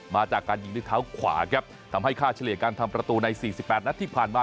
มาจากการยิงด้วยเท้าขวาครับทำให้ค่าเฉลี่ยการทำประตูใน๔๘นัดที่ผ่านมา